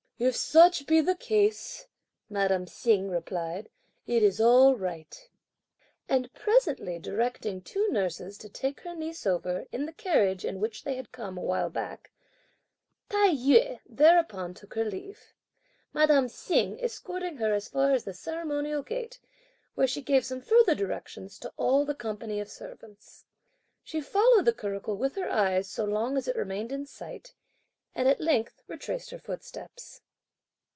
"If such be the case," madame Hsing replied, "it's all right." And presently directing two nurses to take her niece over, in the carriage, in which they had come a while back, Tai yü thereupon took her leave; madame Hsing escorting her as far as the ceremonial gate, where she gave some further directions to all the company of servants. She followed the curricle with her eyes so long as it remained in sight, and at length retraced her footsteps.